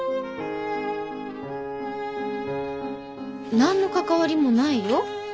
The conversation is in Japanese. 何の関わりもないよ。